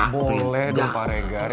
boleh dong pak regar